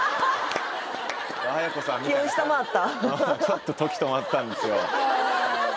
ちょっと時止まったんですよ